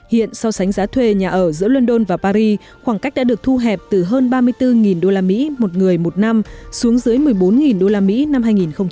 hiện so sánh giá thuê nhà ở giữa london và paris khoảng cách đã được thu hẹp từ hơn ba mươi bốn usd một người một năm xuống dưới một mươi bốn usd năm hai nghìn một mươi